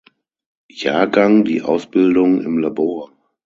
Jahrgang die Ausbildung im Labor.